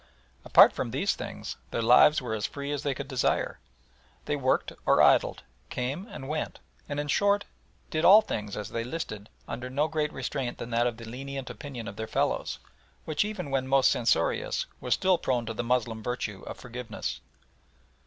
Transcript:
Apart from these things, their lives were as free as they could desire. They worked or idled, came and went, and, in short, did all things as they listed under no greater restraint than that of the lenient opinion of their fellows, which even when most censorious, was still prone to the Moslem virtue of forgiveness.